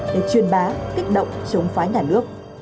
để truyền bá kích động chống phái nhà nước